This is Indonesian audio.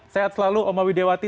sehat selalu oma widiawati